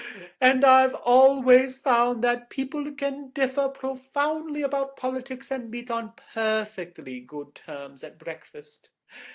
And I've always found that people can differ profoundly about politics and meet on perfectly good terms at breakfast.